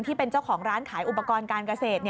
ที่เป็นเจ้าของร้านขายอุปกรณ์การเกษตร